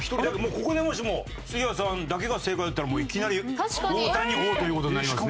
ここでもしも杉谷さんだけが正解だったらもういきなり大谷王という事になりますね。